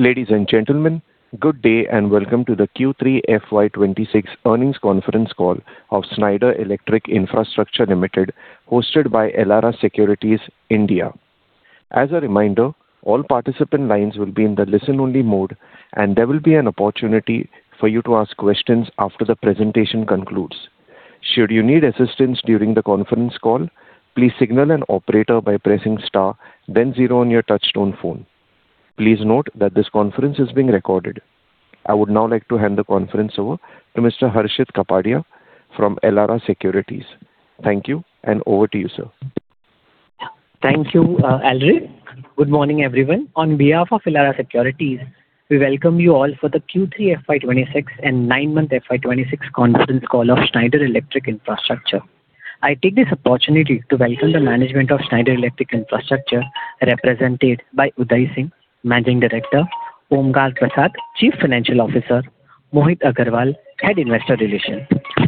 Ladies and gentlemen, good day, and welcome to the Q3 FY 2026 earnings conference call of Schneider Electric Infrastructure Limited, hosted by Elara Securities, India. As a reminder, all participant lines will be in the listen-only mode, and there will be an opportunity for you to ask questions after the presentation concludes. Should you need assistance during the conference call, please signal an operator by pressing star then zero on your touchtone phone. Please note that this conference is being recorded. I would now like to hand the conference over to Mr. Harshit Kapadia from Elara Securities. Thank you, and over to you, sir. Thank you, Alric. Good morning, everyone. On behalf of Elara Securities, we welcome you all for the Q3 FY 2026 and nine-month FY 2026 conference call of Schneider Electric Infrastructure. I take this opportunity to welcome the management of Schneider Electric Infrastructure, represented by Udai Singh, Managing Director; Omkar Prasad, Chief Financial Officer; Mohit Agarwal, Head, Investor Relations.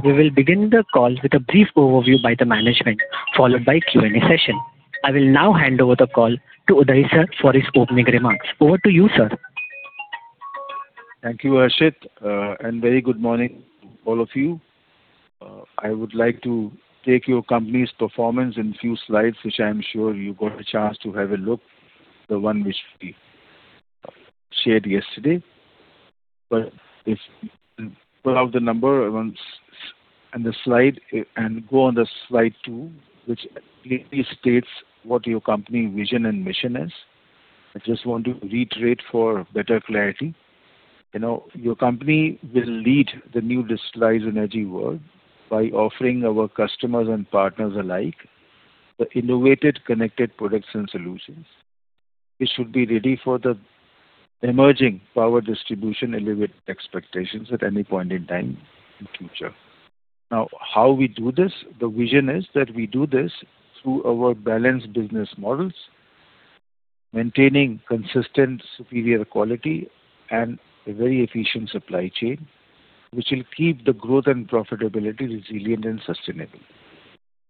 We will begin the call with a brief overview by the management, followed by Q&A session. I will now hand over the call to Udai, sir, for his opening remarks. Over to you, sir. Thank you, Harshit, and very good morning, all of you. I would like to take you through your company's performance in a few slides, which I'm sure you got a chance to have a look at, the one which we shared yesterday. But if you pull out the numbers once and the slides, and go to slide two, which clearly states what your company vision and mission is. I just want to reiterate for better clarity. You know, your company will lead the new digitalized energy world by offering our customers and partners alike the innovative, connected products and solutions. It should be ready for the emerging power distribution to elevate expectations at any point in time in the future. Now, how do we do this? The vision is that we do this through our balanced business models, maintaining consistent, superior quality and a very efficient supply chain, which will keep the growth and profitability resilient and sustainable.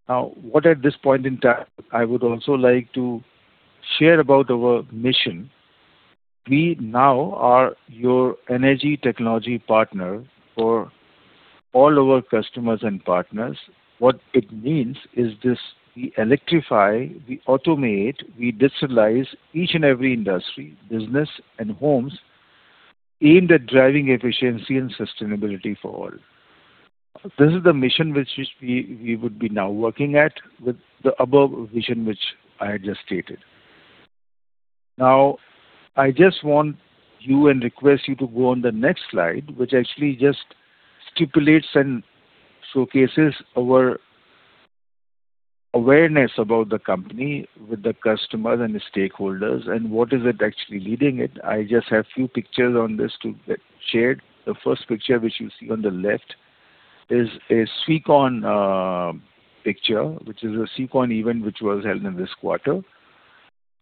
Now, what at this point in time, I would also like to share about our mission. We now are your energy technology partner for all our customers and partners. What it means is this: we electrify, we automate, we digitalize each and every industry, business, and homes, aimed at driving efficiency and sustainability for all. This is the mission which we, we would be now working at with the above vision, which I just stated. Now, I just want you and request you to go on the next slide, which actually just stipulates and showcases our awareness about the company with the customers and the stakeholders, and what is it actually leading it. I just have a few pictures on this to get shared. The first picture, which you see on the left, is a CECON picture, which is a CECON event, which was held in this quarter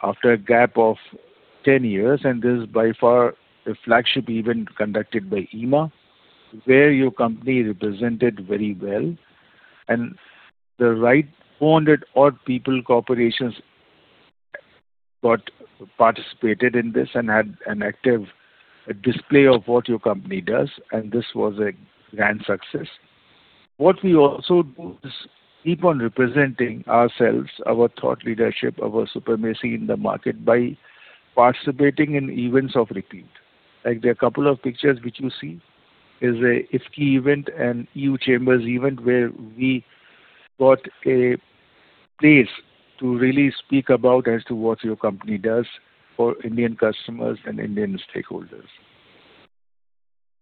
after a gap of 10 years, and this is by far a flagship event conducted by IEEMA, where your company represented very well. The right 400-odd people, corporations, got participated in this and had an active display of what your company does, and this was a grand success. What we also do is keep on representing ourselves, our thought leadership, our supremacy in the market, by participating in events of repeat. Like the couple of pictures which you see is a FICCI event and EU Chambers event, where we got a place to really speak about as to what your company does for Indian customers and Indian stakeholders.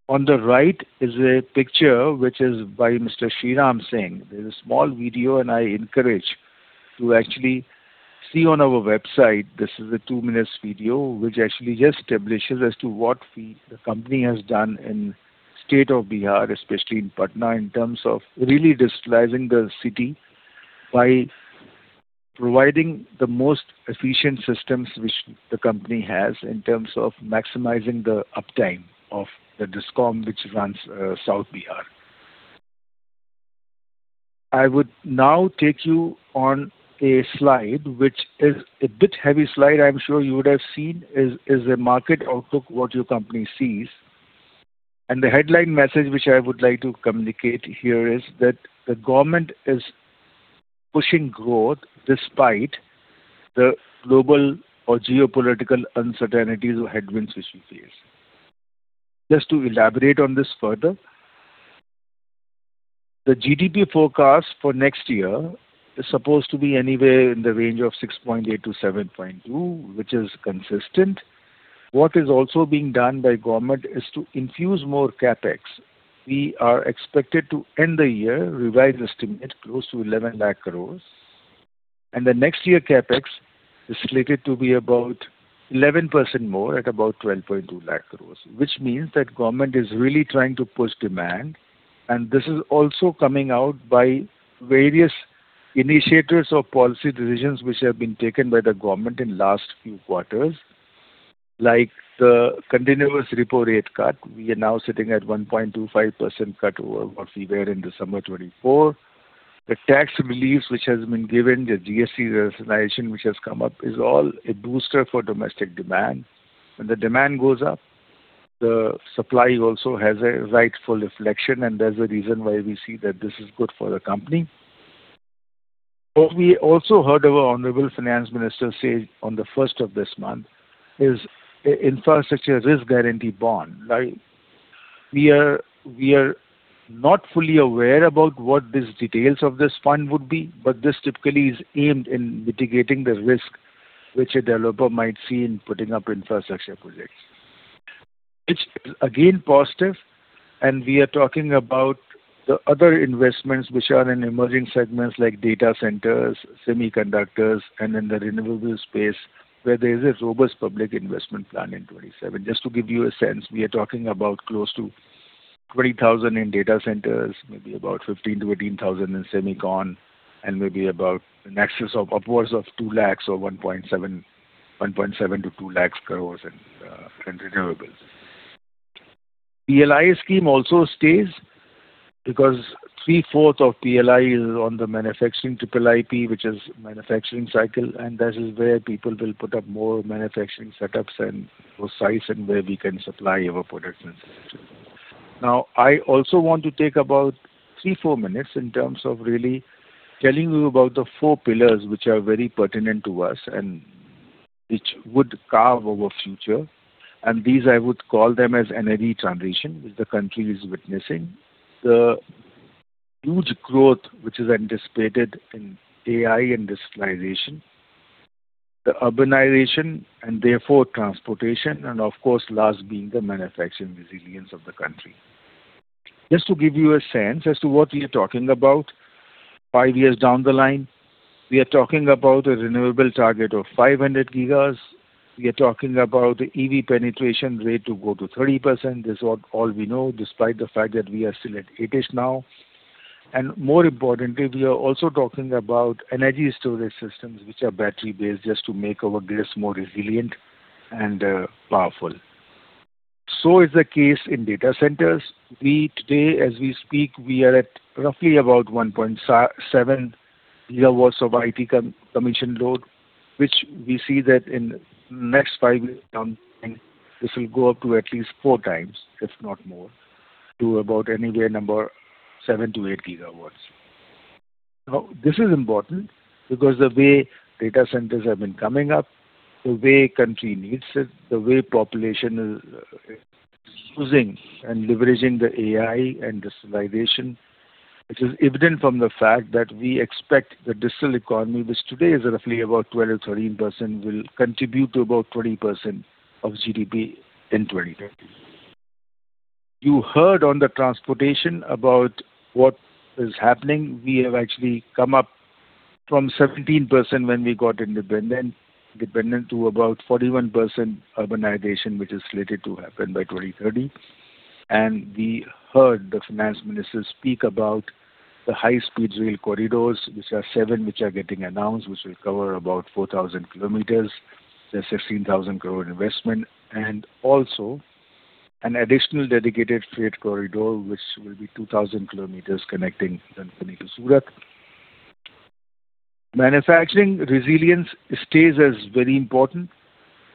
On the right is a picture which is by Mr. Shriram Singh. There's a small video, and I encourage to actually see on our website. This is a two-minute video, which actually just establishes as to what we, the company, has done in state of Bihar, especially in Patna, in terms of really digitalizing the city by providing the most efficient systems which the company has in terms of maximizing the uptime of the DISCOM, which runs South Bihar. I would now take you on a slide, which is a bit heavy slide. I'm sure you would have seen. It is a market outlook, what your company sees. The headline message which I would like to communicate here is that the government is pushing growth despite the global or geopolitical uncertainties or headwinds which we face. Just to elaborate on this further, the GDP forecast for next year is supposed to be anywhere in the range of 6.8-7.2, which is consistent. What is also being done by government is to infuse more CapEx. We are expected to end the year, revised estimate, close to 11,00,000 crore, and the next year CapEx is slated to be about 11% more at about 12,20,000 crore, which means that government is really trying to push demand. And this is also coming out by various initiatives or policy decisions which have been taken by the government in last few quarters, like the continuous repo rate cut. We are now sitting at 1.25% cut over what we were in December 2024. The tax reliefs which has been given, the GST rationalization which has come up, is all a booster for domestic demand. When the demand goes up, the supply also has a rightful reflection, and that's the reason why we see that this is good for the company. What we also heard our Honorable Finance Minister say on the first of this month is, infrastructure risk guarantee bond, right? We are not fully aware about what the details of this fund would be, but this typically is aimed in mitigating the risk which a developer might see in putting up infrastructure projects. Which is again positive, and we are talking about the other investments which are in emerging segments like data centers, semiconductors, and in the renewable space, where there is a robust public investment plan in 2027. Just to give you a sense, we are talking about close to 20,000 crore in data centers, maybe about 15,000-18,000 crore in semicon, and maybe about an excess of upwards of 200,000 crore or 170,000-200,000 crore in, in renewables. PLI scheme also stays because three-fourth of PLI is on the manufacturing triple IP, which is manufacturing cycle, and that is where people will put up more manufacturing setups and more sites, and where we can supply our products and services. Now, I also want to take about three, four minutes in terms of really telling you about the four pillars, which are very pertinent to us and which would carve our future. And these, I would call them as energy transition, which the country is witnessing. The huge growth, which is anticipated in AI industrialization, the urbanization, and therefore transportation, and of course, last being the manufacturing resilience of the country. Just to give you a sense as to what we are talking about, five years down the line, we are talking about a renewable target of 500 gigas. We are talking about EV penetration rate to go to 30%. This is what all we know, despite the fact that we are still at eight-ish now. And more importantly, we are also talking about energy storage systems, which are battery-based, just to make our grids more resilient and, powerful. So is the case in data centers. We today, as we speak, we are at roughly about 1.7 GW of IT commission load, which we see that in the next five years down the line, this will go up to at least 4x, if not more, to about anywhere from 7GW-8 GW. Now, this is important because the way data centers have been coming up, the way country needs it, the way population is using and leveraging the AI industrialization, which is evident from the fact that we expect the digital economy, which today is roughly about 12%-13%, will contribute to about 20% of GDP in 2030. You heard on the transportation about what is happening. We have actually come up from 17% when we got independence to about 41% urbanization, which is slated to happen by 2030. We heard the Finance Minister speak about the high-speed rail corridors, which are seven, which are getting announced, which will cover about 4,000 km. There's 16,000 crore investment and also an additional dedicated freight corridor, which will be 2,000 km connecting Delhi to Surat. Manufacturing resilience stays as very important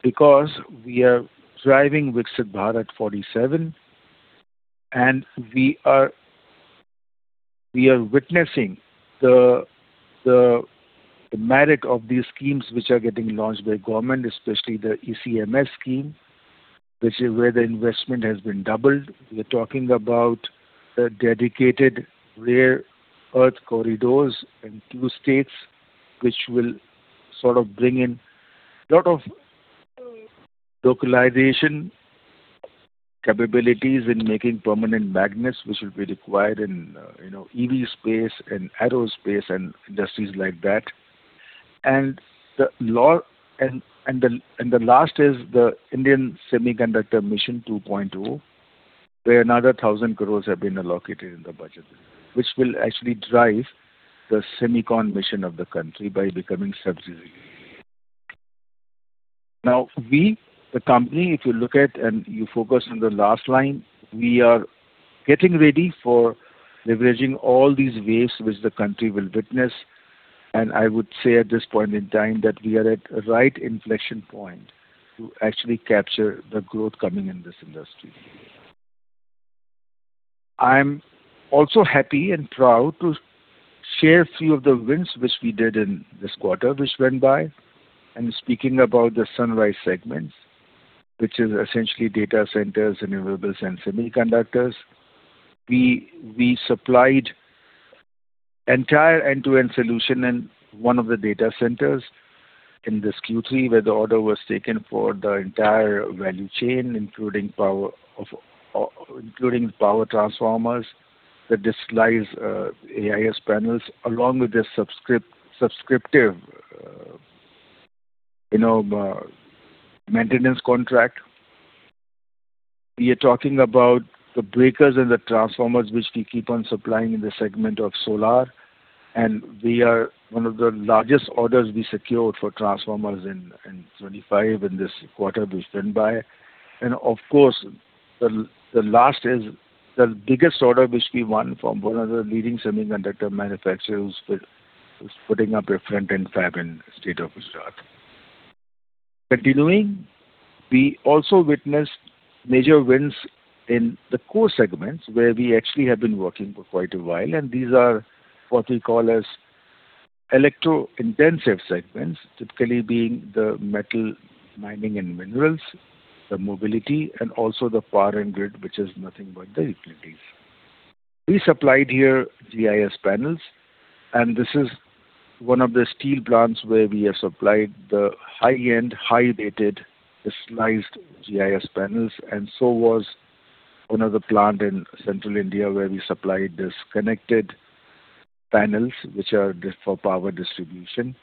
because we are driving Make in India at 47, and we are, we are witnessing the merit of these schemes which are getting launched by government, especially the ECMS scheme, which is where the investment has been doubled. We're talking about the dedicated rare earth corridors in two states, which will sort of bring in a lot of localization capabilities in making permanent magnets, which will be required in, you know, EV space and aerospace and industries like that. And the last is the Indian Semiconductor Mission 2.0, where another 1,000 crore have been allocated in the budget, which will actually drive the semicon mission of the country by becoming self-reliant. Now, we, the company, if you look at and you focus on the last line, we are getting ready for leveraging all these waves which the country will witness. And I would say at this point in time, that we are at a right inflection point to actually capture the growth coming in this industry. I'm also happy and proud to share a few of the wins which we did in this quarter, which went by, and speaking about the sunrise segments, which is essentially data centers, renewables, and semiconductors. We supplied entire end-to-end solution in one of the data centers in this Q3, where the order was taken for the entire value chain, including power transformers, the MV switchgears, AIS panels, along with the subscriptive, you know, maintenance contract. We are talking about the breakers and the transformers, which we keep on supplying in the segment of solar, and we are one of the largest orders we secured for transformers in 2025, in this quarter which went by. Of course, the last is the biggest order which we won from one of the leading semiconductor manufacturers, which is putting up a front-end fab in state of Gujarat. Continuing, we also witnessed major wins in the core segments, where we actually have been working for quite a while, and these are what we call as electro-intensive segments, typically being the metal mining and minerals, the mobility, and also the power and grid, which is nothing but the utilities. We supplied here GIS panels, and this is one of the steel plants where we have supplied the high-end, high-rated, digitalized GIS panels, and so was another plant in central India, where we supplied these connected panels, which are just for power distribution.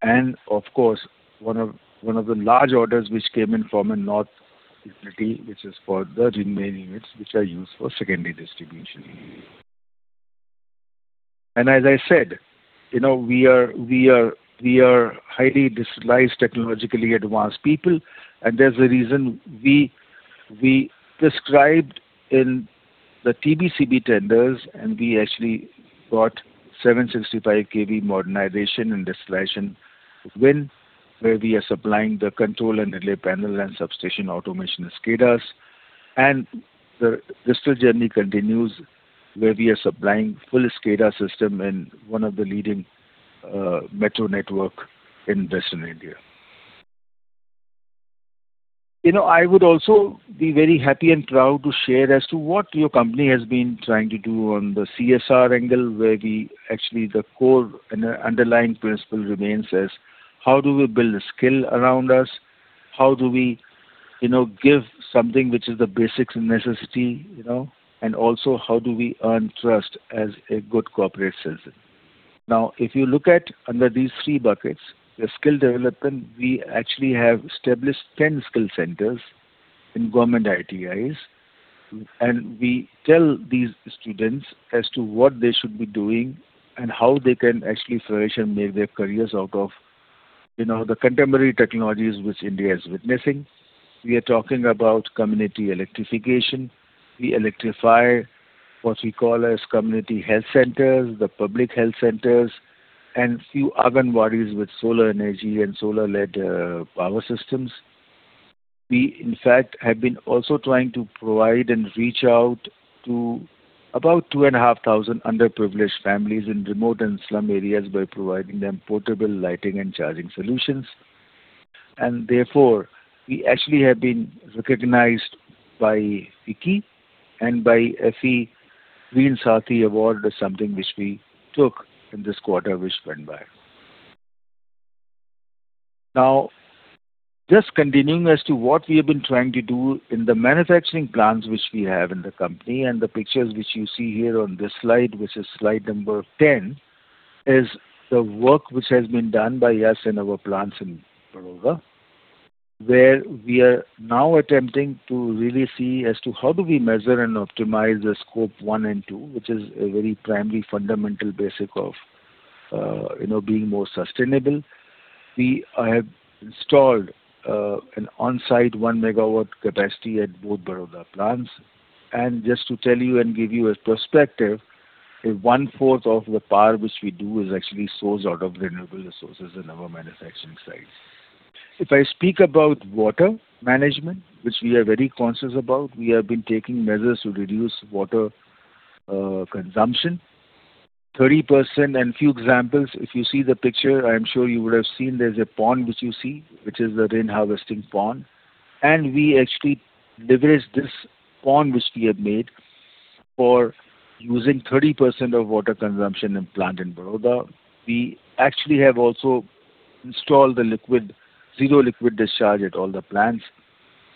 And of course, one of the large orders which came in from a north utility, which is for the remaining units, which are used for secondary distribution. And as I said, you know, we are highly digitalized, technologically advanced people, and there's a reason we described in the TBCB tenders, and we actually got 765 kV modernization and digitalization win, where we are supplying the control and relay panel and substation automation SCADAs. And the digital journey continues, where we are supplying full SCADA system in one of the leading metro network in western India. You know, I would also be very happy and proud to share as to what your company has been trying to do on the CSR angle, where we, actually, the core and underlying principle remains as, how do we build a skill around us? How do we, you know, give something which is the basics and necessity, you know, and also, how do we earn trust as a good corporate citizen? Now, if you look at under these three buckets, the skill development, we actually have established 10 skill centers in government ITIs, and we tell these students as to what they should be doing and how they can actually flourish and make their careers out of, you know, the contemporary technologies which India is witnessing. We are talking about community electrification. We electrify what we call as community health centers, the public health centers, and few Aanganwadis with solar energy and solar-led power systems. We, in fact, have been also trying to provide and reach out to about 2,500 underprivileged families in remote and slum areas by providing them portable lighting and charging solutions. And therefore, we actually have been recognized by WIKI and by FE Green Saathi Award is something which we took in this quarter which went by. Now, just continuing as to what we have been trying to do in the manufacturing plants which we have in the company, and the pictures which you see here on this slide, which is slide number 10, is the work which has been done by us in our plants in Vadodara, where we are now attempting to really see as to how do we measure and optimize the scope one and two, which is a very primary, fundamental basic of, you know, being more sustainable. We have installed an on-site 1 MW capacity at both Vadodara plants. Just to tell you and give you a perspective, 1/4 of the power which we do is actually sourced out of renewable resources in our manufacturing sites. If I speak about water management, which we are very conscious about, we have been taking measures to reduce water consumption. 30%, and few examples, if you see the picture, I am sure you would have seen there's a pond which you see, which is the rain harvesting pond, and we actually leveraged this pond, which we have made, for using 30% of water consumption in plant in Vadodara. We actually have also installed the zero liquid discharge at all the plants,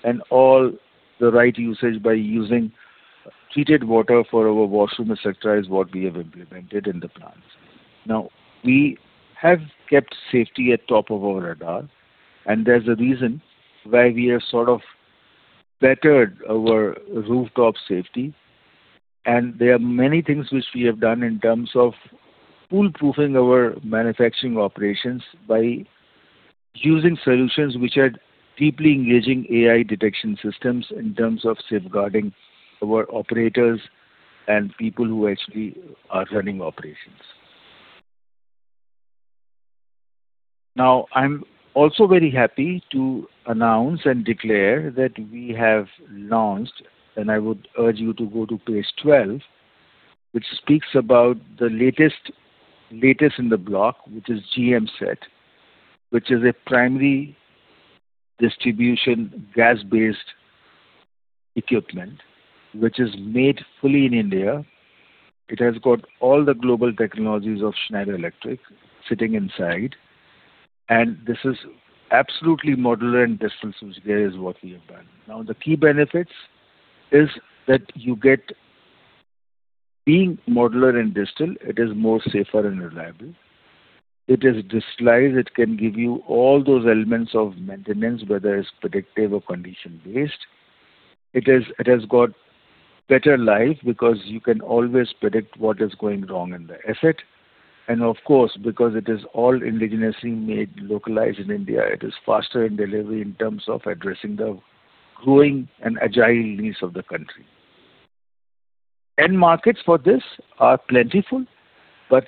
and all the right usage by using heated water for our washroom, et cetera, is what we have implemented in the plants. Now, we have kept safety at top of our radar, and there's a reason why we have sort of bettered our rooftop safety. And there are many things which we have done in terms of foolproofing our manufacturing operations by using solutions which are deeply engaging AI detection systems in terms of safeguarding our operators and people who actually are running operations. Now, I'm also very happy to announce and declare that we have launched, and I would urge you to go to page 12, which speaks about the latest, latest in the block, which is GMSet, which is a primary distribution gas-based equipment, which is made fully in India. It has got all the global technologies of Schneider Electric sitting inside, and this is absolutely modular and digital solution is what we have done. Now, the key benefits is that you get, being modular and digital, it is more safer and reliable. It is digitalized, it can give you all those elements of maintenance, whether it's predictive or condition-based. It is, it has got better life because you can always predict what is going wrong in the asset. Of course, because it is all indigenously made, localized in India, it is faster in delivery in terms of addressing the growing and agile needs of the country. End markets for this are plentiful, but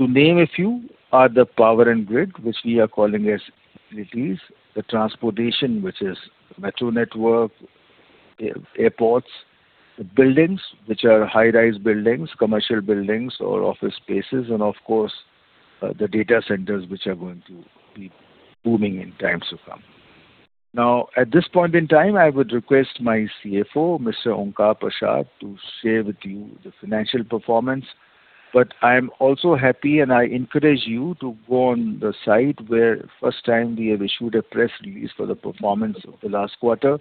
to name a few are the power and grid, which we are calling as utilities, the transportation, which is metro network, airports, the buildings, which are high-rise buildings, commercial buildings or office spaces, and of course, the data centers, which are going to be booming in times to come. Now, at this point in time, I would request my CFO, Mr. Omkar Prasad, to share with you the financial performance. But I am also happy, and I encourage you to go on the site, where first time we have issued a press release for the performance of the last quarter,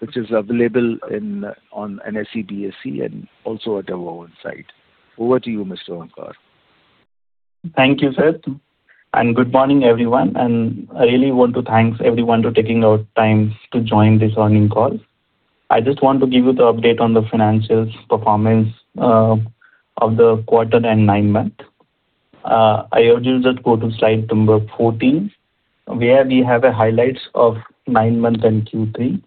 which is available on NSE, BSE, and also at our own site. Over to you, Mr. Omkar. Thank you, Seth, and good morning, everyone. I really want to thank everyone for taking out time to join this earnings call. I just want to give you the update on the financial performance of the quarter and nine months. I urge you just go to slide number 14, where we have a highlights of nine months and Q3.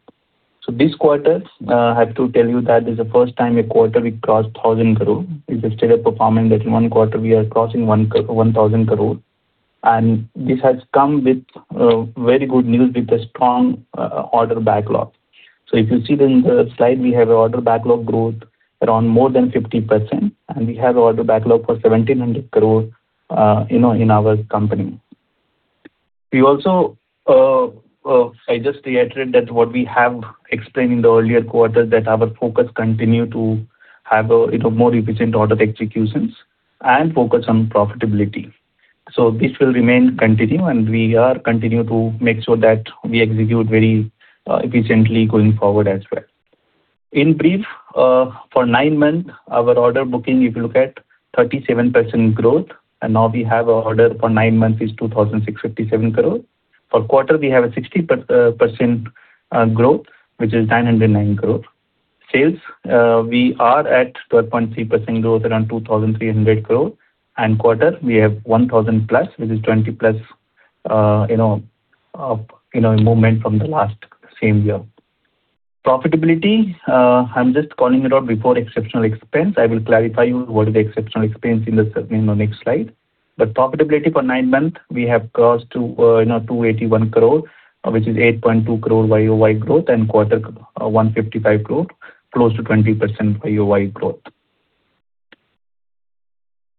So this quarter, I have to tell you that is the first time a quarter we crossed 1,000 crore. If you study the performance, that in one quarter we are crossing 1,000 crore. And this has come with very good news, with a strong order backlog. So if you see in the slide, we have a order backlog growth around more than 50%, and we have order backlog for 1,700 crore, you know, in our company. We also, I just reiterate that what we have explained in the earlier quarter, that our focus continue to have a, you know, more efficient order executions and focus on profitability. So this will remain continue, and we are continue to make sure that we execute very, efficiently going forward as well. In brief, for nine months, our order booking, if you look at, 37% growth, and now we have order for nine months is 2,657 crore. For quarter, we have a 60% growth, which is 909 crore. Sales, we are at 12.3% growth, around 2,300 crore, and quarter, we have 1,000+, which is 20%+, you know, a moment from the last same year. Profitability, I'm just calling it out before exceptional expense. I will clarify you what is exceptional expense in the next slide. But profitability for nine months, we have crossed INR 281 crore, you know, 281 crore, which is 8.2 crore YoY growth, and quarter 155 crore, close to 20% YoY growth.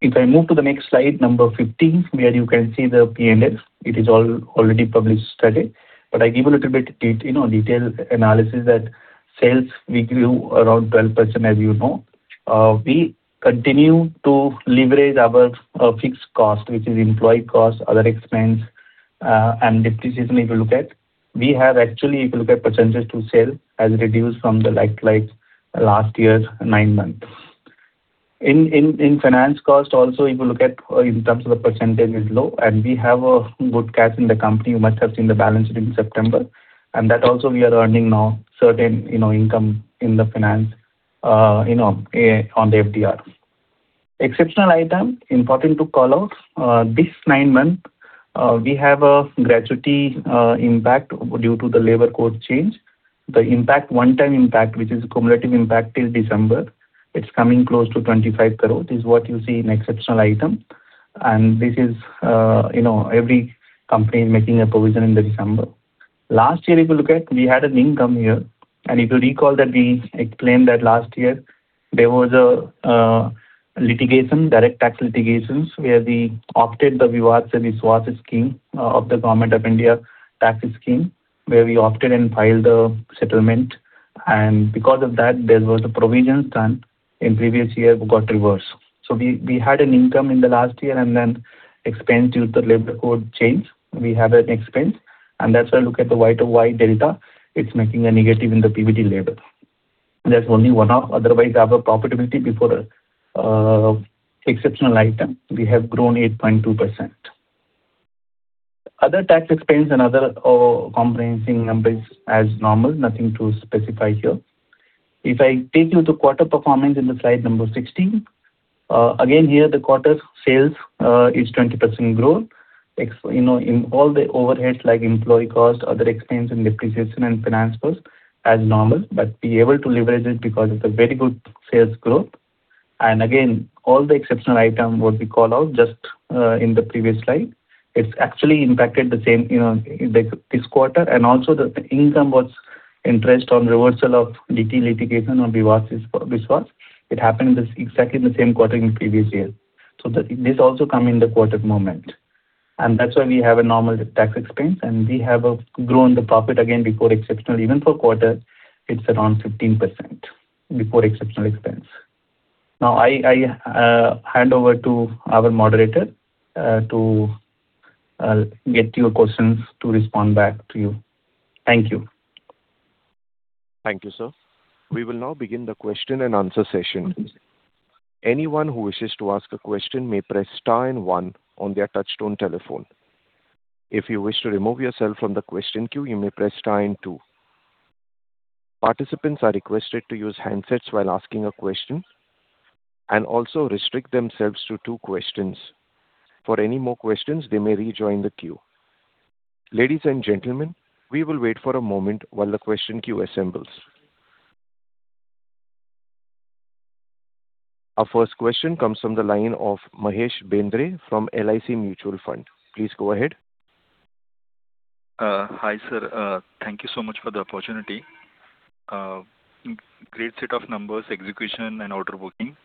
If I move to the next slide, number 15, where you can see the PNL. It is all already published today, but I give a little bit detail analysis that sales we grew around 12%, as you know. We continue to leverage our fixed cost, which is employee cost, other expense, and depreciation, if you look at. We have actually, if you look at percentages to sales, has reduced from the like, like, last year's nine months. In finance cost also, if you look at in terms of the percentage is low, and we have a good cash in the company. You must have seen the balance sheet in September, and that also we are earning now certain, you know, income in the finance, you know, on the FDR. Exceptional item, important to call out, this nine months, we have a gratuity impact due to the labor code change. The impact, one-time impact, which is cumulative impact till December, it's coming close to 25 crore, is what you see in exceptional item. And this is, you know, every company making a provision in the December. Last year, if you look at, we had an income here, and if you recall that we explained that last year, there was a litigation, direct tax litigations, where we opted the Vivad se Vishwas scheme of the government of India tax scheme, where we opted and filed a settlement. And because of that, there was a provision done in previous year, we got reversed. So we, we had an income in the last year, and then expense due to labor code change, we have an expense, and that's why look at the Y to Y delta, it's making a negative in the PBT labor. That's only one-off. Otherwise, our profitability before exceptional item, we have grown 8.2%. Other tax expense and other comprehensive numbers as normal, nothing to specify here. If I take you to quarter performance in the slide number 16. Again, here, the quarter sales is 20% growth. You know, in all the overheads, like employee costs, other expense, and depreciation and finance costs, as normal, but we are able to leverage it because it's a very good sales growth. And again, all the exceptional item, what we call out just in the previous slide, it's actually impacted the same, you know, like this quarter. And also, the income was interest on reversal of DT litigation on Vivad se Vishwas. It happened this, exactly in the same quarter in the previous year. So the, this also come in the quarter moment, and that's why we have a normal tax expense, and we have grown the profit again before exceptional. Even for quarter, it's around 15% before exceptional expense. Now, I hand over to our moderator to get your questions to respond back to you. Thank you. Thank you, sir. We will now begin the question and answer session. Anyone who wishes to ask a question may press star and one on their touchtone telephone. If you wish to remove yourself from the question queue, you may press star and two. Participants are requested to use handsets while asking a question, and also restrict themselves to two questions. For any more questions, they may rejoin the queue. Ladies and gentlemen, we will wait for a moment while the question queue assembles. Our first question comes from the line of Mahesh Bendre from LIC Mutual Fund. Please go ahead. Hi, sir. Thank you so much for the opportunity. Great set of numbers, execution, and order booking.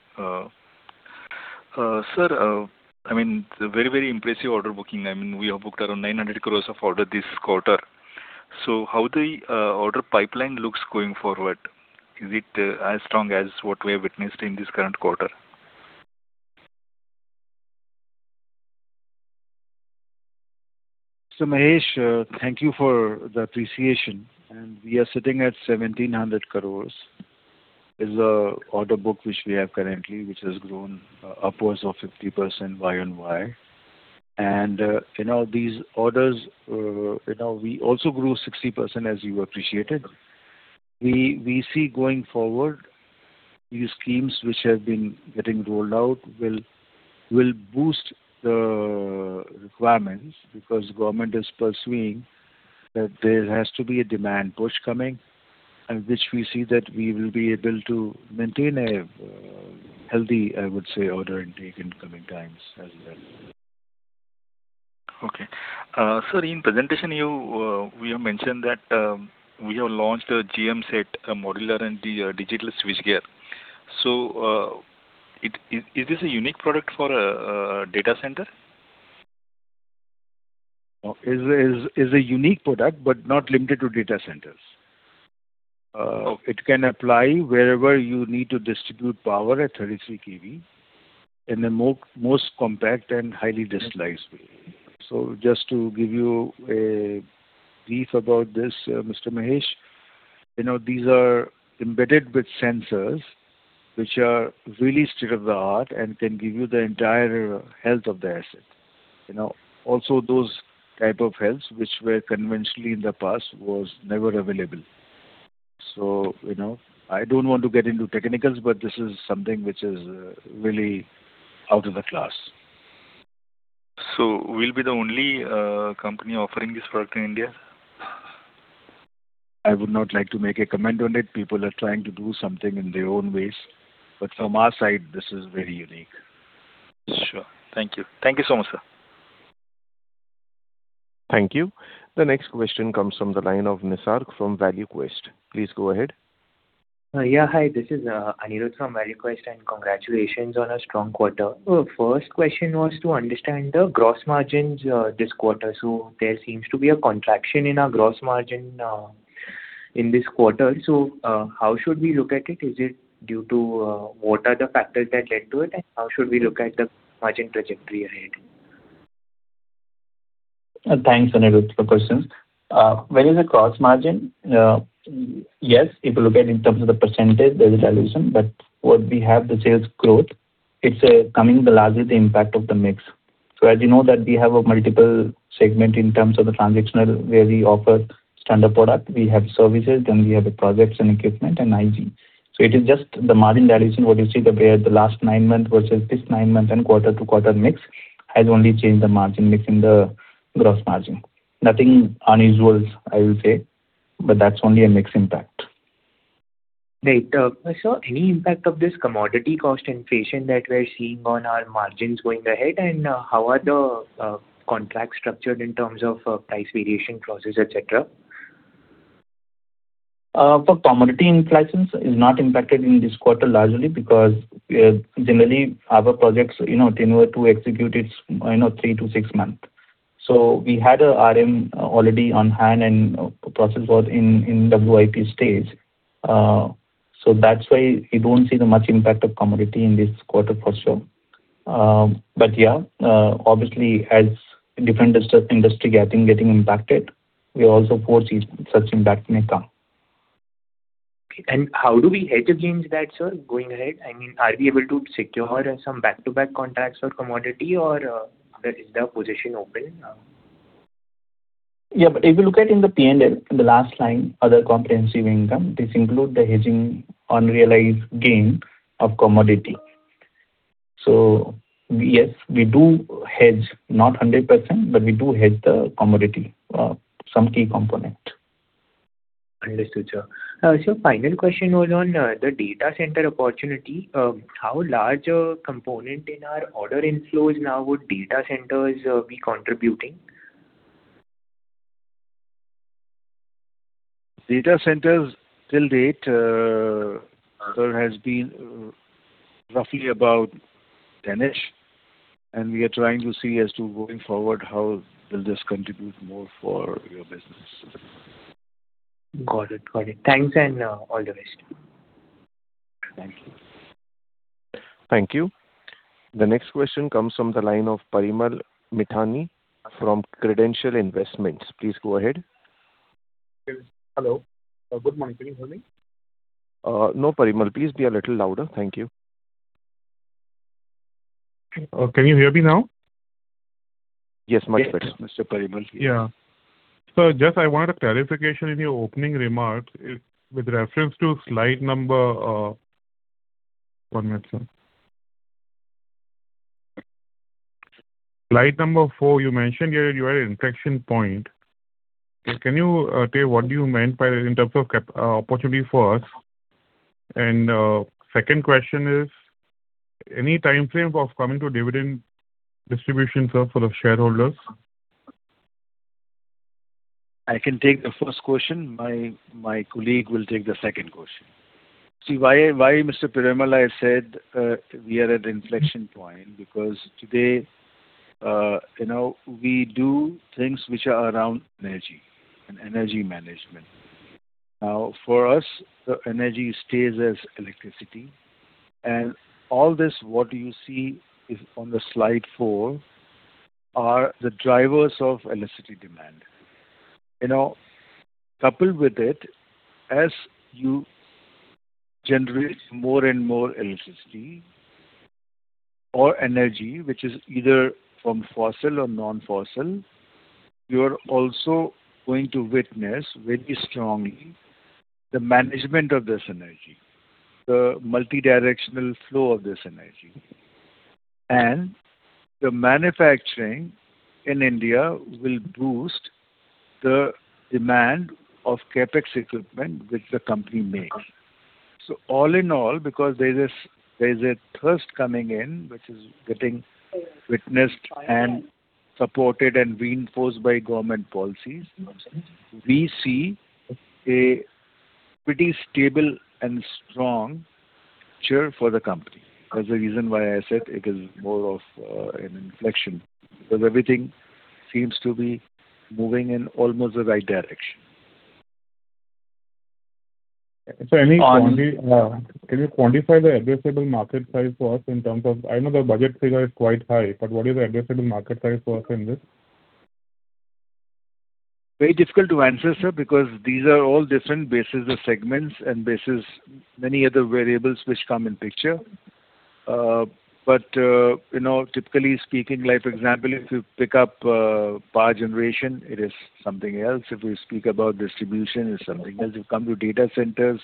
Sir, I mean, it's a very, very impressive order booking. I mean, we have booked around 900 crore of order this quarter. So how the order pipeline looks going forward? Is it as strong as what we have witnessed in this current quarter? So, Mahesh, thank you for the appreciation, and we are sitting at 1,700 crore is order book which we have currently, which has grown upwards of 50% YoY. And, you know, these orders, you know, we also grew 60%, as you appreciated. We see going forward, these schemes which have been getting rolled out will boost the requirements, because government is pursuing that there has to be a demand push coming, and which we see that we will be able to maintain a healthy, I would say, order intake in coming times as well. Okay. Sir, in presentation, you, we have mentioned that, we have launched a GMSet, a modular and the, digital switchgear. So, it is this a unique product for a data center? No. It's a unique product, but not limited to data centers. Okay. It can apply wherever you need to distribute power at 33 kV, in a more, most compact and highly displaced way. So just to give you a brief about this, Mr. Mahesh, you know, these are embedded with sensors which are really state-of-the-art and can give you the entire health of the asset. You know, also those type of healths which were conventionally in the past was never available. So, you know, I don't want to get into technicals, but this is something which is, really out of the class. So we'll be the only company offering this product in India? I would not like to make a comment on it. People are trying to do something in their own ways, but from our side, this is very unique. Sure. Thank you. Thank you so much, sir. Thank you. The next question comes from the line of Nisarg from ValueQuest. Please go ahead. Yeah, hi, this is Anirudh from ValueQuest, and congratulations on a strong quarter. First question was to understand the gross margins this quarter. So there seems to be a contraction in our gross margin in this quarter. So, how should we look at it? Is it due to. What are the factors that led to it, and how should we look at the margin trajectory ahead? Thanks, Anirudh, for questions. Where is the gross margin? Yes, if you look at in terms of the percentage, there's a dilution, but what we have, the sales growth, it's coming largely the impact of the mix. So as you know that we have a multiple segment in terms of the transactional, where we offer standard product. We have services, then we have the projects and equipment, and IG. So it is just the margin dilution, what you see the period, the last nine months versus this nine months and quarter-to-quarter mix, has only changed the margin, mix in the gross margin. Nothing unusual, I will say, but that's only a mix impact. Great. Sir, any impact of this commodity cost inflation that we're seeing on our margins going ahead? And, how are the contracts structured in terms of price variation clauses, et cetera? For commodity inflations is not impacted in this quarter largely because, generally, our projects, you know, they were to execute it, you know, three to six months. So we had a RM already on hand, and process was in WIP stage. So that's why we don't see the much impact of commodity in this quarter for sure. But yeah, obviously, as different industry getting impacted, we also foresee such impact may come. How do we hedge against that, sir, going ahead? I mean, are we able to secure some back-to-back contracts for commodity or is the position open? Yeah, but if you look at in the P&L, in the last line, Other Comprehensive Income, this include the hedging unrealized gain of commodity. So yes, we do hedge, not 100%, but we do hedge the commodity, some key component. Understood, sir. Sir, final question was on the data center opportunity. How large a component in our order inflows now would data centers be contributing? Data centers, till date, there has been roughly about 10-ish, and we are trying to see as to going forward, how will this contribute more for your business? Got it. Got it. Thanks, and all the best. Thank you. Thank you. The next question comes from the line of Parimal Mithani from Credential Investments. Please go ahead. Hello. Good morning, everyone. No, Parimal, please be a little louder. Thank you. Can you hear me now? Yes, much better, Mr. Parimal. Yeah. So just I wanted a clarification in your opening remarks. If with reference to slide number, one minute, sir. Slide number four, you mentioned you are at inflection point. So can you tell what do you meant by that in terms of CapEx opportunity for us? And second question is, any time frame of coming to dividend distribution, sir, for the shareholders? I can take the first question. My, my colleague will take the second question. See, why, why, Mr. Parimal, I said, uh, we are at inflection point, because today, uh, you know, we do things which are around energy and energy management. Now, for us, the energy stays as electricity, and all this what you see is on the slide four are the drivers of electricity demand. You know, coupled with it, as you generate more and more electricity or energy, which is either from fossil or non-fossil, you're also going to witness very strongly the management of this energy, the multidirectional flow of this energy. And the manufacturing in India will boost the demand of CapEx equipment which the company makes. So all in all, because there is, there is a thirst coming in, which is getting witnessed and supported and reinforced by government policies, we see a pretty stable and strong future for the company. That's the reason why I said it is more of, an inflection, because everything seems to be moving in almost the right direction. So any- On- Can you quantify the addressable market size for us in terms of. I know the budget figure is quite high, but what is the addressable market size for us in this? Very difficult to answer, sir, because these are all different bases of segments and based on many other variables which come in picture. But, you know, typically speaking, like, for example, if you pick up power generation, it is something else. If we speak about distribution, it's something else. If you come to data centers,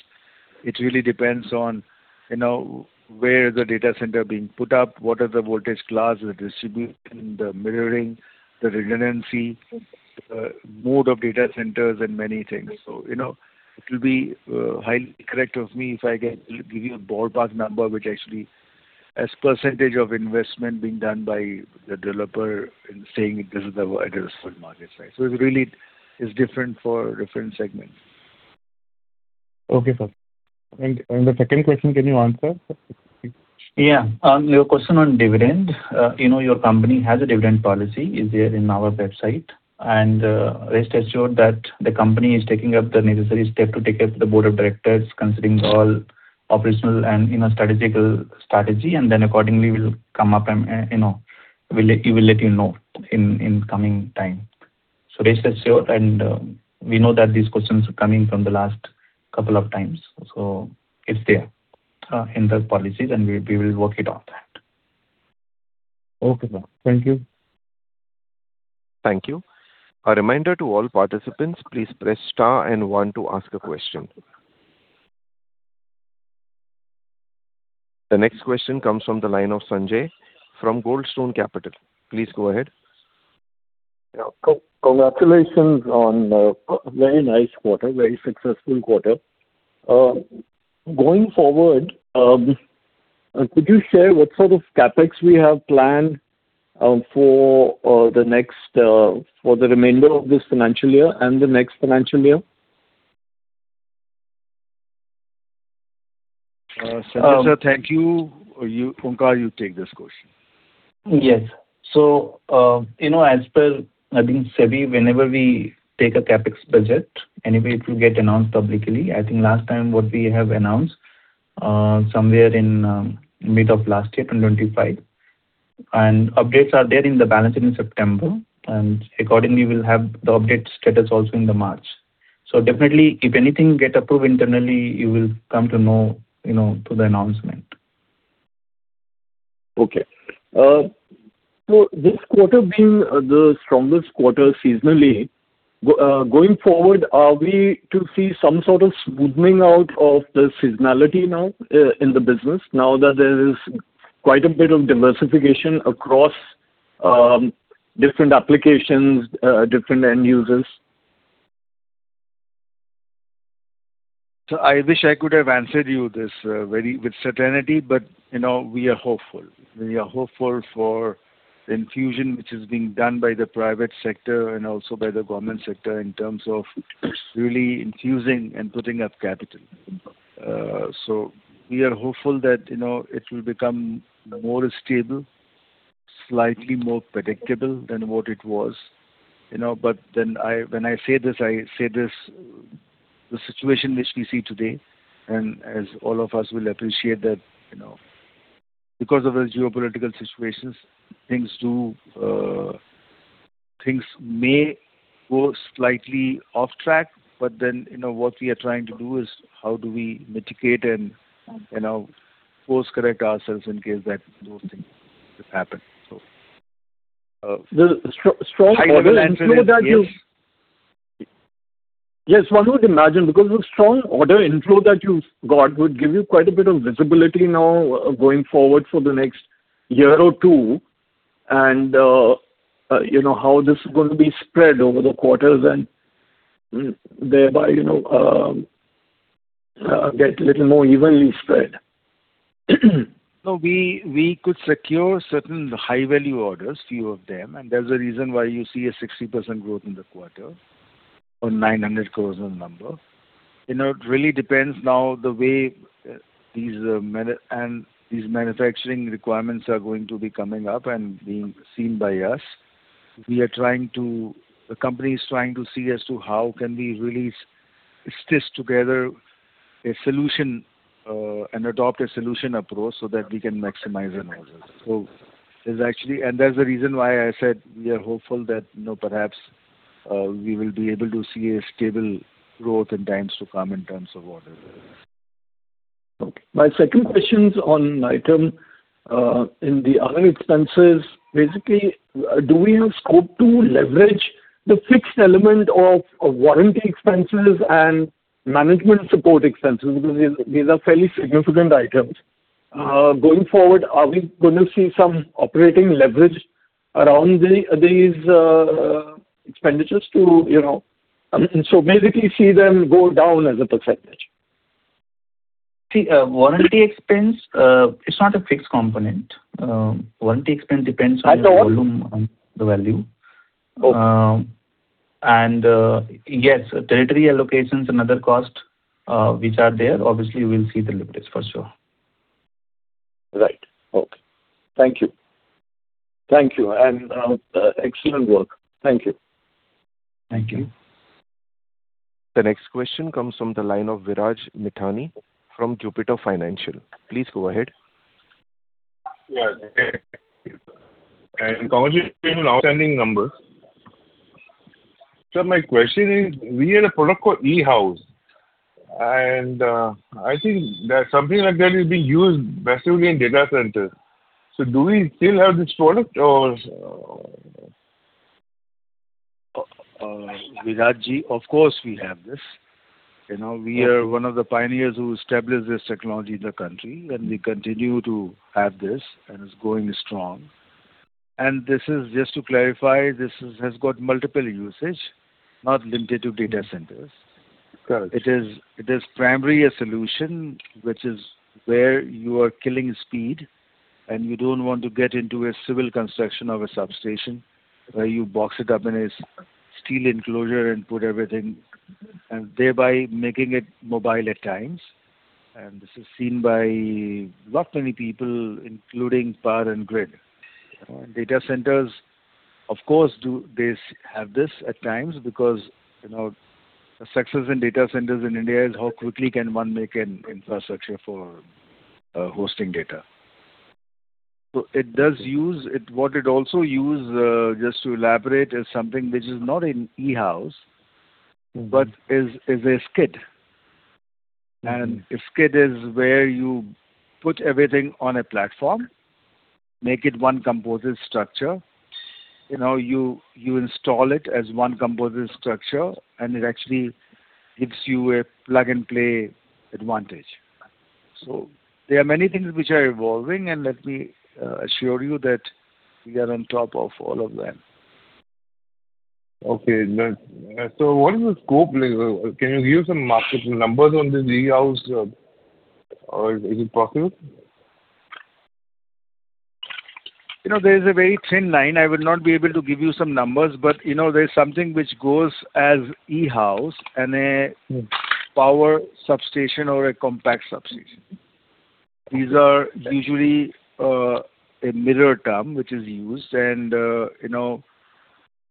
it really depends on, you know, where the data center being put up, what are the voltage class, the distribution, the mirroring, the redundancy, mode of data centers, and many things. So, you know, it will be highly incorrect of me if I can give you a ballpark number, which actually, as percentage of investment being done by the developer in saying this is the addressable market size. So it really is different for different segments. Okay, sir. And the second question, can you answer? Yeah. On your question on dividend, you know, your company has a dividend policy, is there in our website. And, rest assured that the company is taking up the necessary step to take up the board of directors, considering all operational and, you know, strategical strategy, and then accordingly will come up and, you know, we'll let, we will let you know in, in coming time. So rest assured, and, we know that these questions are coming from the last couple of times. So it's there, in the policies, and we, we will work it on that. Okay, sir. Thank you. Thank you. A reminder to all participants, please press star and one to ask a question. The next question comes from the line of Sanjay from Goldstone Capital. Please go ahead. Yeah. Congratulations on a very nice quarter, very successful quarter. Going forward, could you share what sort of CapEx we have planned for the remainder of this financial year and the next financial year? Sanjay, sir, thank you. You, Omkar, you take this question. Yes. So, you know, as per, I think, SEBI, whenever we take a CapEx budget, anyway it will get announced publicly. I think last time what we have announced, somewhere in mid of last year, 2025, and updates are there in the balance in September, and accordingly, we'll have the update status also in the March. So definitely, if anything get approved internally, you will come to know, you know, through the announcement. Okay. So this quarter being the strongest quarter seasonally, going forward, are we to see some sort of smoothing out of the seasonality now, in the business, now that there is quite a bit of diversification across, different applications, different end users? So I wish I could have answered you this, very with certainty, but, you know, we are hopeful. We are hopeful for the infusion which is being done by the private sector and also by the government sector in terms of really infusing and putting up capital. So we are hopeful that, you know, it will become more stable, slightly more predictable than what it was, you know. But then I, when I say this, I say this, the situation which we see today, and as all of us will appreciate that, you know, because of the geopolitical situations, things do, things may go slightly off track, but then, you know, what we are trying to do is how do we mitigate and, you know, course-correct ourselves in case that those things just happen. So, The strong order ensure that you- Yes. Yes, one would imagine, because the strong order inflow that you've got would give you quite a bit of visibility now going forward for the next year or two, and, you know, how this is going to be spread over the quarters and thereby, you know, get a little more evenly spread. No, we could secure certain high-value orders, few of them, and there's a reason why you see a 60% growth in the quarter, or 900 crore on number. You know, it really depends now the way these manufacturing requirements are going to be coming up and being seen by us. We are trying to. The company is trying to see as to how can we really stitch together a solution, and adopt a solution approach so that we can maximize on orders. So there's actually. And that's the reason why I said we are hopeful that, you know, perhaps, we will be able to see a stable growth in times to come in terms of orders. Okay. My second question's on item in the other expenses. Basically, do we have scope to leverage the fixed element of warranty expenses and management support expenses? Because these, these are fairly significant items. Going forward, are we gonna see some operating leverage around these expenditures to, you know. So basically, see them go down as a percentage? See, warranty expense, it's not a fixed component. Warranty expense depends on- I know the volume and the value. Okay. Yes, territory allocations and other costs, which are there, obviously, we'll see the leverage for sure. Right. Okay. Thank you. Thank you, and excellent work. Thank you. Thank you. The next question comes from the line of Viraj Mithani from Jupiter Financial. Please go ahead. Yeah. Congratulations on outstanding numbers. My question is, we had a product called E-House, and I think that something like that is being used massively in data centers. Do we still have this product or? Viraj, of course, we have this. You know, we are one of the pioneers who established this technology in the country, and we continue to have this, and it's going strong. And this is, just to clarify, this is, has got multiple usage, not limited to data centers. Correct. It is, it is primarily a solution which is where you are killing speed, and you don't want to get into a civil construction of a substation, where you box it up in a steel enclosure and put everything, and thereby making it mobile at times. And this is seen by not many people, including Power and Grid. Data centers, of course, do this, have this at times, because, you know, the success in data centers in India is how quickly can one make an infrastructure for, hosting data. So it does use. What it also use, just to elaborate, is something which is not in E-House but is a skid. A skid is where you put everything on a platform, make it one composite structure. You know, you install it as one composite structure, and it actually gives you a plug-and-play advantage. There are many things which are evolving, and let me assure you that we are on top of all of them. Okay. Then, so what is the scope like? Can you give some market numbers on this E-House, or is it possible? You know, there is a very thin line. I will not be able to give you some numbers, but, you know, there's something which goes as E-House and Power Substation or a Compact Substation. These are- Yes usually, a mirror term which is used, and, you know,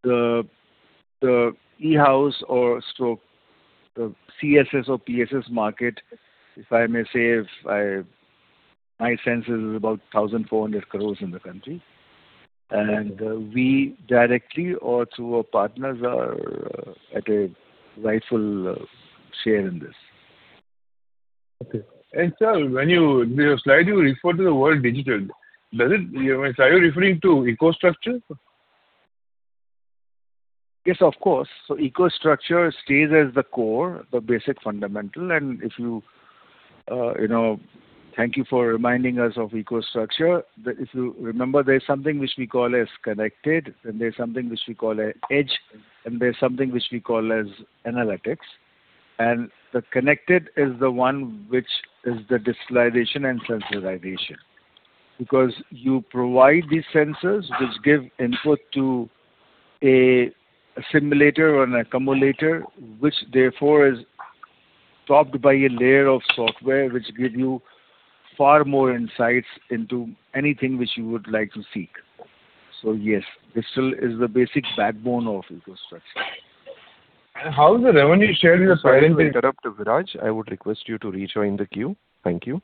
the E-House or so, the CSS or PSS market, if I may say, my sense is about 1,400 crore in the country. Okay. We directly or through our partners are at a rightful share in this. Okay. And, sir, when you, in your slide, you referred to the word digital. Does it, are you referring to EcoStruxure? Yes, of course. So EcoStruxure stays as the core, the basic fundamental, and if you, you know... Thank you for reminding us of EcoStruxure. If you remember, there's something which we call as connected, and there's something which we call a edge, and there's something which we call as analytics. And the connected is the one which is the digitalization and sensorization. Because you provide these sensors, which give input to a simulator or an accumulator, which therefore is topped by a layer of software, which give you far more insights into anything which you would like to seek. So yes, this still is the basic backbone of EcoStruxure. And how is the revenue shared in your- Sorry to interrupt you, Viraj. I would request you to rejoin the queue. Thank you.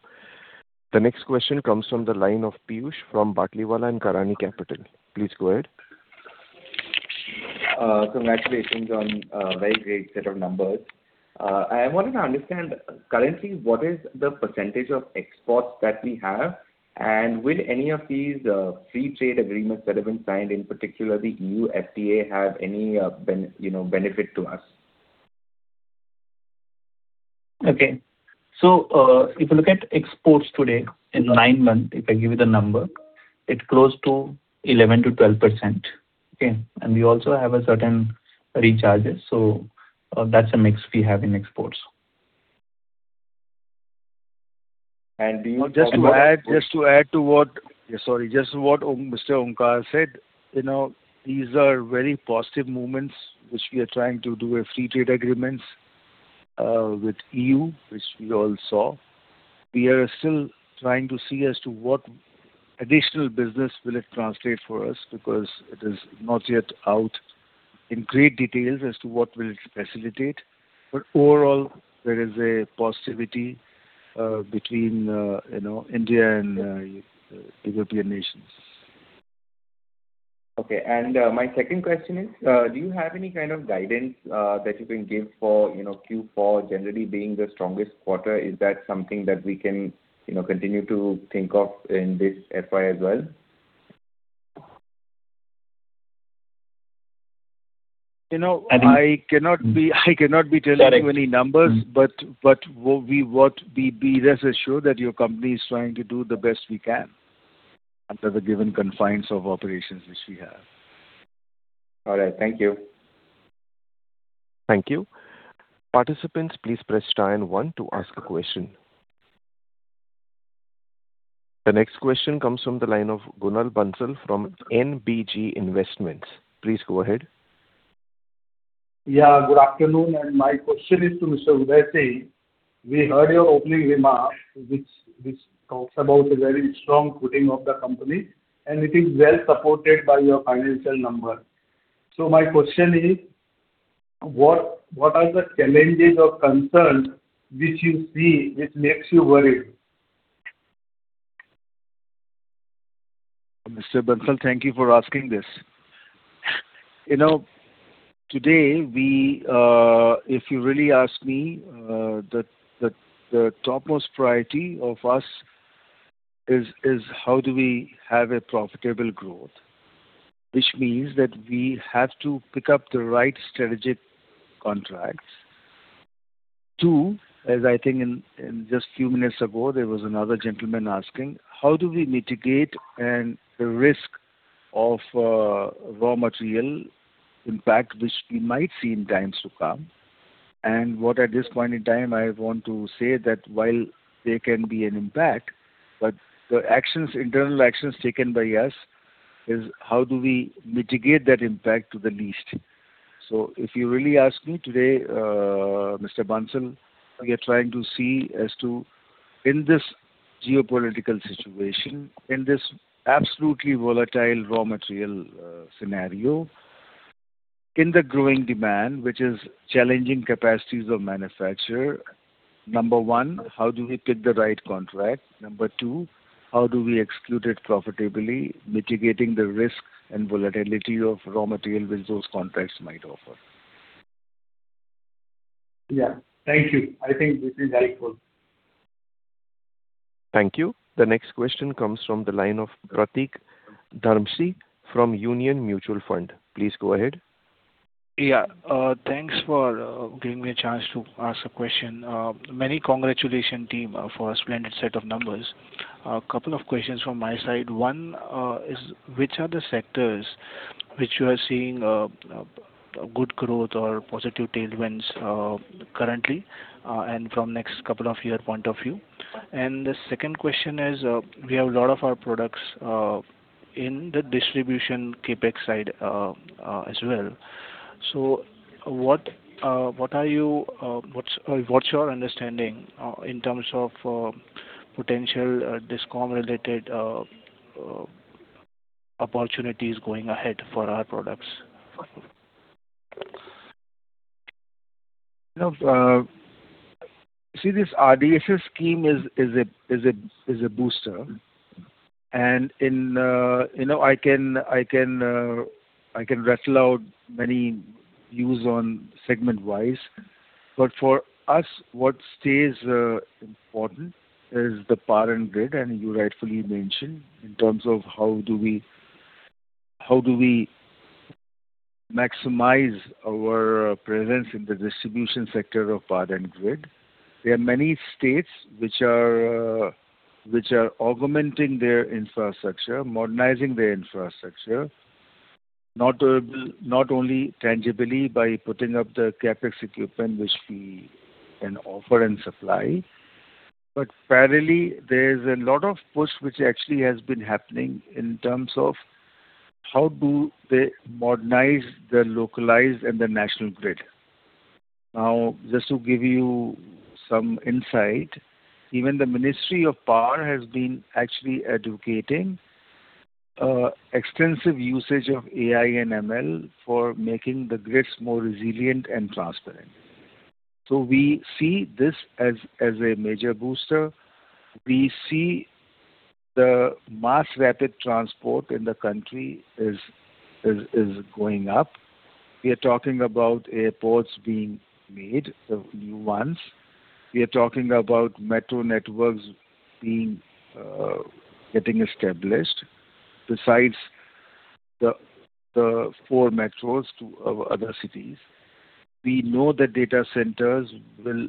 The next question comes from the line of Piyush from Batlivala & Karani Capital. Please go ahead. Congratulations on a very great set of numbers. I wanted to understand, currently, what is the percentage of exports that we have? And will any of these free trade agreements that have been signed, in particular the EU FTA, have any, you know, benefit to us? Okay. So, if you look at exports today, in nine months, if I give you the number, it's close to 11%-12%. Okay? And we also have a certain recharges, so, that's a mix we have in exports. Do you- Just to add to what Mr. Omkar said, you know, these are very positive movements, which we are trying to do a free trade agreements with EU, which we all saw. We are still trying to see as to what additional business will it translate for us, because it is not yet out in great details as to what will it facilitate. But overall, there is a positivity between you know, India and European nations. Okay. And, my second question is, do you have any kind of guidance, that you can give for, you know, Q4 generally being the strongest quarter? Is that something that we can, you know, continue to think of in this FY as well? You know, I cannot be telling you any numbers, but what we rest assured that your company is trying to do the best we can under the given confines of operations which we have. All right. Thank you. Thank you. Participants, please press star and one to ask a question. The next question comes from the line of Kunal Bansal from NBG Investments. Please go ahead. Yeah, good afternoon, and my question is to Mr. Udai Singh. We heard your opening remarks, which talks about a very strong footing of the company, and it is well supported by your financial numbers. So my question is: What are the challenges or concerns which you see, which makes you worried? Mr. Bansal, thank you for asking this. You know, today, we, if you really ask me, the topmost priority of us is how do we have a profitable growth? Which means that we have to pick up the right strategic contracts. Two, as I think in just a few minutes ago, there was another gentleman asking: How do we mitigate and the risk of raw material impact, which we might see in times to come? And what at this point in time, I want to say that while there can be an impact, but the actions, internal actions taken by us is how do we mitigate that impact to the least. So if you really ask me today, Mr. Bansal, we are trying to see as to in this geopolitical situation, in this absolutely volatile raw material, scenario, in the growing demand, which is challenging capacities of manufacture, number one, how do we pick the right contract? Number two, how do we exclude it profitably, mitigating the risk and volatility of raw material which those contracts might offer? Yeah. Thank you. I think this is very cool. Thank you. The next question comes from the line of Pratik Dharmshi from Union Mutual Fund. Please go ahead. Yeah. Thanks for giving me a chance to ask a question. Many congratulations, team, for a splendid set of numbers. A couple of questions from my side. One is: Which are the sectors which you are seeing good growth or positive tailwinds currently and from next couple of year point of view? And the second question is, we have a lot of our products in the distribution CapEx side as well. So what, what are you, what's your understanding in terms of potential discount related opportunities going ahead for our products? You know, see, this RDSS scheme is a booster. And in. You know, I can rattle out many views on segment-wise, but for us, what stays important is the power and grid, and you rightfully mentioned in terms of how do we maximize our presence in the distribution sector of power and grid? There are many states which are augmenting their infrastructure, modernizing their infrastructure, not only tangibly by putting up the CapEx equipment, which we can offer and supply, but parallelly, there's a lot of push which actually has been happening in terms of how do they modernize their localized and their national grid? Now, just to give you some insight, even the Ministry of Power has been actually advocating. Extensive usage of AI and ML for making the grids more resilient and transparent. So we see this as a major booster. We see the mass rapid transport in the country is going up. We are talking about airports being made, the new ones. We are talking about metro networks being getting established, besides the four metros to our other cities. We know the data centers will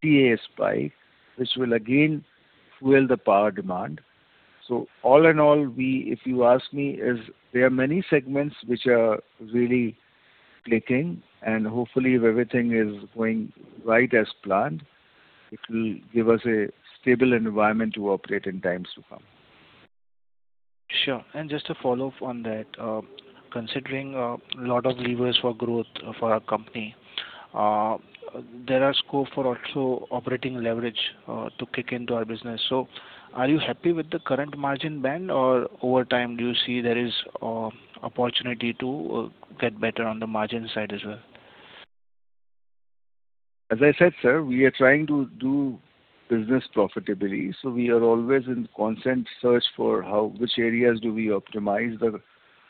see a spike, which will again fuel the power demand. So all in all, we, if you ask me, is there are many segments which are really clicking, and hopefully if everything is going right as planned, it will give us a stable environment to operate in times to come. Sure. And just to follow up on that, considering a lot of levers for growth for our company, there are scope for also operating leverage to kick into our business. So are you happy with the current margin band, or over time, do you see there is opportunity to get better on the margin side as well? As I said, sir, we are trying to do business profitability, so we are always in constant search for how which areas do we optimize the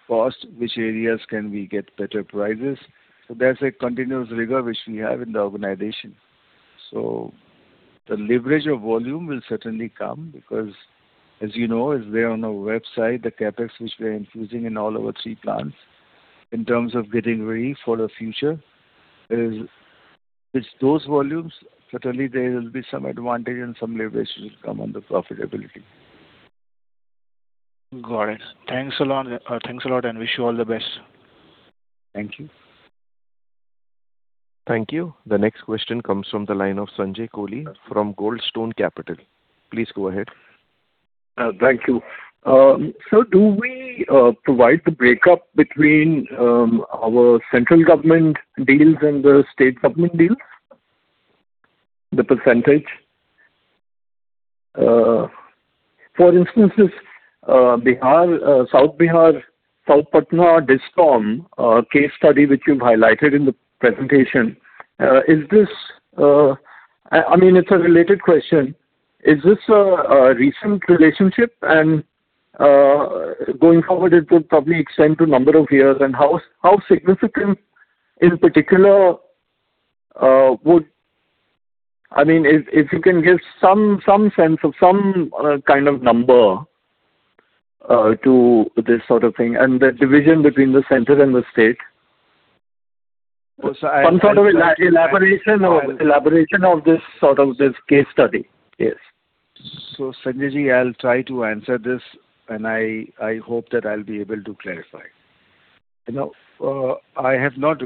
cost, which areas can we get better prices. So there's a continuous rigor which we have in the organization. So the leverage of volume will certainly come, because as you know, as there on our website, the CapEx which we are infusing in all our three plants in terms of getting ready for the future, is with those volumes, certainly there will be some advantage and some leverage will come on the profitability. Got it. Thanks a lot, thanks a lot, and wish you all the best. Thank you. Thank you. The next question comes from the line of Sanjay Kohli from Goldstone Capital. Please go ahead. Thank you. So do we provide the breakup between our central government deals and the state government deals? The percentage. For instance, this Bihar, South Bihar, South Patna DISCOM case study, which you've highlighted in the presentation, is this. I mean, it's a related question: Is this a recent relationship? And going forward, it will probably extend to a number of years. And how significant in particular would—I mean, if you can give some sense of some kind of number to this sort of thing, and the division between the center and the state. So I- Some sort of elaboration or elaboration of this sort of this case study. Yes. So, Sanjay, I'll try to answer this, and I hope that I'll be able to clarify. You know, I have not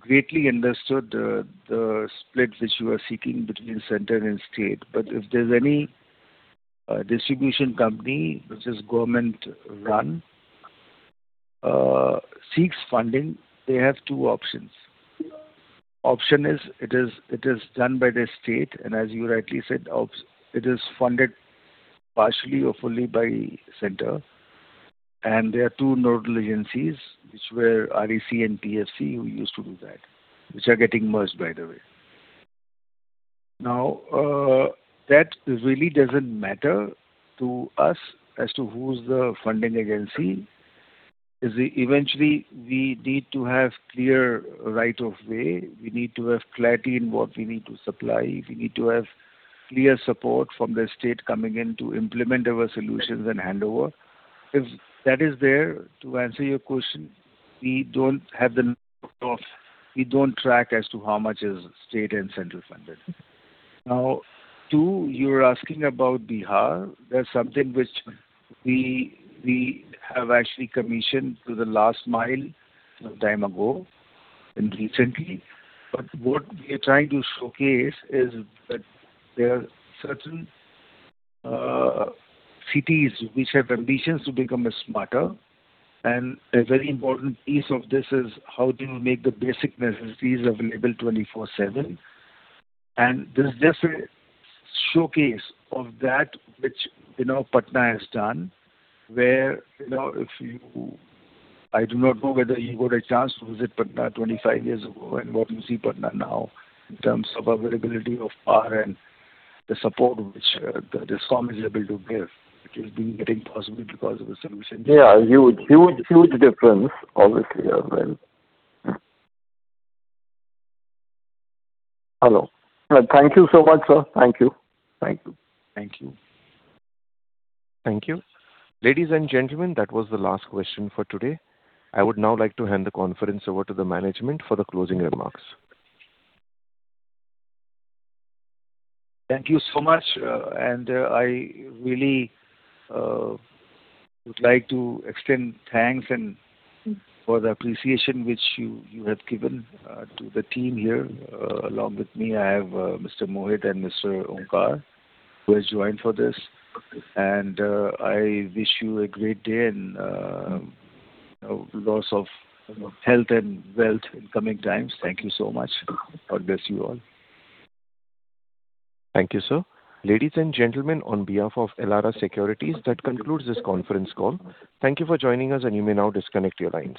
greatly understood the split which you are seeking between center and state, but if there's any distribution company which is government-run seeks funding, they have two options. Option is, it is done by the state, and as you rightly said, it is funded partially or fully by center, and there are two nodal agencies, which were REC and PFC, who used to do that, which are getting merged, by the way. Now, that really doesn't matter to us as to who's the funding agency. Yes, eventually we need to have clear right of way, we need to have clarity in what we need to supply, we need to have clear support from the state coming in to implement our solutions and handover. If that is there, to answer your question, we don't have the we don't track as to how much is state and central funded. Now, too, you were asking about Bihar. That's something which we, we have actually commissioned to the last mile some time ago and recently. But what we are trying to showcase is that there are certain cities which have ambitions to become smarter, and a very important piece of this is how do you make the basic necessities available 24/7? And this is just a showcase of that which, you know, Patna has done, where, you know, if you. I do not know whether you got a chance to visit Patna 25 years ago and what you see Patna now in terms of availability of power and the support which, the DISCOM is able to give, which is being getting possible because of the solution. Yeah, huge, huge, huge difference, obviously, as well. Hello. Thank you so much, sir. Thank you. Thank you. Thank you. Thank you. Ladies and gentlemen, that was the last question for today. I would now like to hand the conference over to the management for the closing remarks. Thank you so much, and I really would like to extend thanks and for the appreciation which you have given to the team here. Along with me, I have Mr. Mohit and Mr. Omkar, who has joined for this. I wish you a great day and lots of health and wealth in coming times. Thank you so much. God bless you all. Thank you, sir. Ladies and gentlemen, on behalf of Elara Securities, that concludes this conference call. Thank you for joining us, and you may now disconnect your lines.